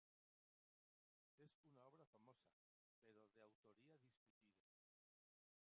Es una obra famosa, pero de autoría discutida.